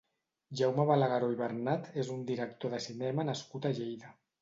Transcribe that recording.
Jaume Balagueró i Bernat és un director de cinema nascut a Lleida.